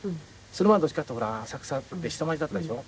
それまでどっちかっていうと浅草って下町だったでしょ？